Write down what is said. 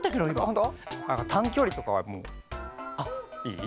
あとたんきょりとかはもういい？